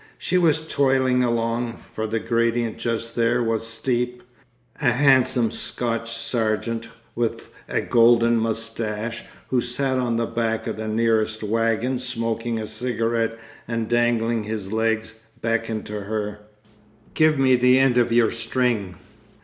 She was toiling along, for the gradient just there was steep. A handsome Scotch sergeant, with a golden moustache, who sat on the back of the nearest wagon smoking a cigarette and dangling his legs, beckoned to her. "Give me the end of your string."